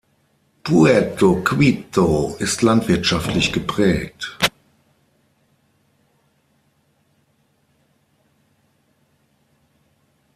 Puerto Quito ist landwirtschaftlich geprägt.